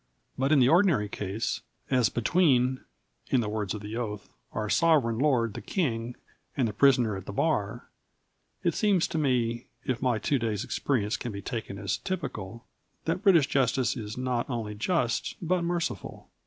But in the ordinary case "as between," in the words of the oath, "our sovereign lord the King and the prisoner at the bar" it seems to me, if my two days' experience can be taken as typical, that British justice is not only just but merciful.